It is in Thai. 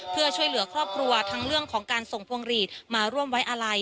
เพื่อช่วยเหลือครอบครัวทั้งเรื่องของการส่งพวงหลีดมาร่วมไว้อาลัย